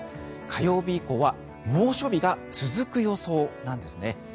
火曜日以降は猛暑日が続く予想なんですね。